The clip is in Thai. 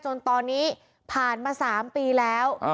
จนตอนนี้ผ่านมา๓ปีแล้ว